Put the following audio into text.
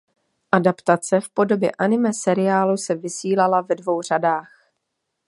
Adaptace v podobě anime seriálu se vysílala ve dvou řadách.